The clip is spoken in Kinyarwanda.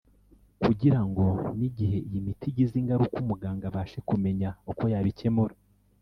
kugira ngo n’igihe iyi miti igize ingaruka umuganga abashe kumenya uko yabikemura